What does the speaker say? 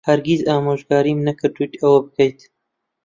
هەرگیز ئامۆژگاریم نەکردوویت ئەوە بکەیت.